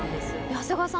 長谷川さん